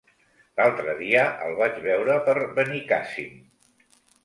L'altre dia el vaig veure per Benicàssim.